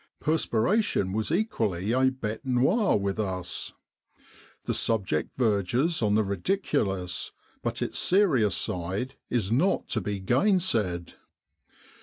Perspiration was equally a bete noire with us. The subject verges on the ridiculous, but its 259 With the R.A.M.C. in Egypt serious side is not to be gainsaid.